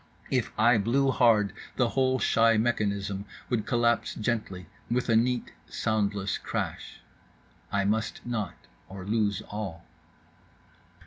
If I blew hard the whole shy mechanism would collapse gently with a neat soundless crash. I must not, or lose all.